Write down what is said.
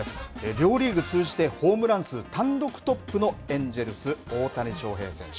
両リーグ通じてホームラン数単独トップのエンジェルス、大谷翔平選手。